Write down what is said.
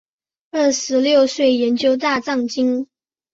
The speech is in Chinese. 二十六岁研究大藏经。